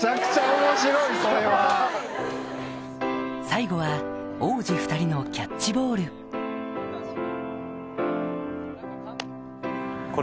最後は王子２人のキャッチボールあの。